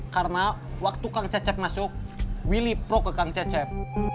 karena waktu kang cecep masuk willy pro ke kang cecep